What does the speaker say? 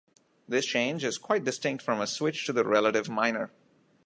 This change is quite distinct from a switch to the relative minor.